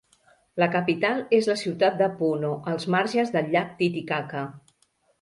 La capital és la ciutat de Puno, als marges del llac Titicaca.